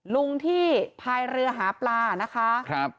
ลุงที่พายเรือหาปลานะคะ